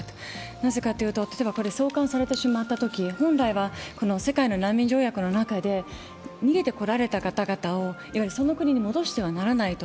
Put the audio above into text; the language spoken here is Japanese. なぜかというと送還されてしまったとき、本来は世界の難民条約の中で逃げてこられた方々を、いわゆるその国に戻してはならないと。